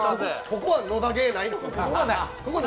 ここは「野田ゲー」ないの？